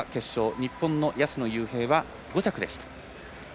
日本の安野祐平は５着でした。